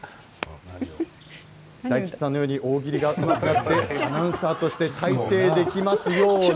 大吉さんのように大喜利がうまくなってアナウンサーとして大成できますように。